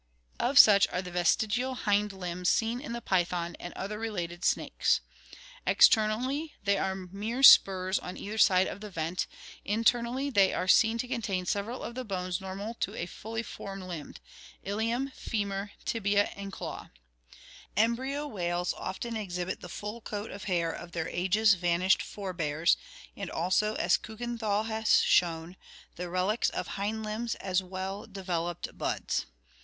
Of such are the vestigial hind limbs seen in the python and other related #,\ snakes. Externally they are mere spurs Romano' Darwm and Afitr on either side of the vent, internally they pSi^ G^'lt'0p',, &"rt are seen to contain several of the bones normal to a fully formed limb, ilium, femur, tibia, and claw (see Fig. 20). Embryo whales often exhibit the full coat of hair of their ages vanished forebears, and also, as Kiikenthal has shown, the relics of hind limbs as well developed buds.